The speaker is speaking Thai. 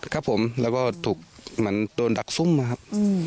ครับผมแล้วก็ถูกเหมือนโดนดักซุ่มนะครับ